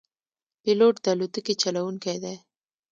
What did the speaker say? پیلوټ د الوتکې چلوونکی دی.